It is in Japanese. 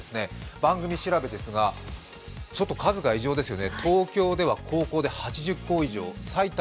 番組調べですが、ちょっと数が異常ですよね。